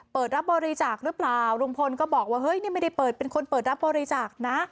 เปิดรับบริจาคหรือเปล่าลุงพลก็บอกว่าเฮ้ยนี่ไม่ได้เปิดเป็นคนเปิดรับบริจาคนะ